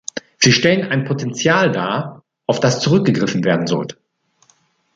Sie stellen ein Potential dar, auf das zurückgegriffen werden sollte.